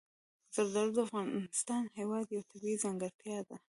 زردالو د افغانستان هېواد یوه طبیعي ځانګړتیا ده.